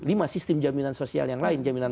lima sistem jaminan sosial yang lain jaminan